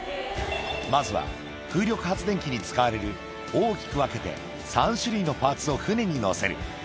まずは風力発電機に使われる大きく分けて３種類のパーツを船に載せる。